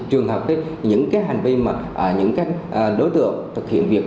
trường hợp những hành vi mà những cái đối tượng thực hiện việc